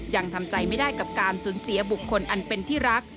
ยังทำใจไม่ได้กับการสูญเสียบุคคลอันเป็นที่รัก